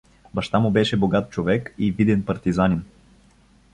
Баща му беше богат човек и виден партизанин.